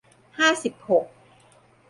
ห้าสิบหก